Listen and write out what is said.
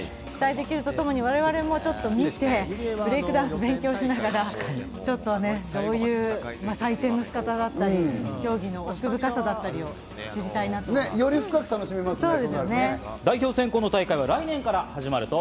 期待できるとともに我々もちょっと見て、ブレイクダンスを勉強しながら、どういう採点の仕方だったり、競技の奥深さだったりを知りたいなと。より深く楽しめますよね、そうなると。